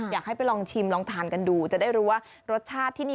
อยากให้ไปลองชิมลองทานกันดูจะได้รู้ว่ารสชาติที่นี่